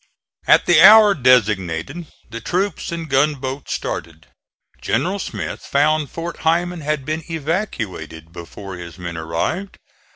At the hour designated the troops and gunboats started. General Smith found Fort Heiman had been evacuated before his men arrived.